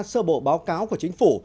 sơ bộ báo cáo của chính phủ